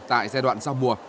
tại giai đoạn sau mùa